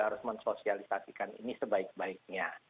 harus mensosialisasikan ini sebaik baiknya